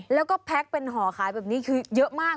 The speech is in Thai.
แล้วก็แพ็คเป็นห่อขายแบบนี้คือเยอะมาก